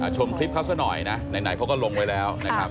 ชมคลิปเขาซะหน่อยนะไหนเขาก็ลงไว้แล้วนะครับ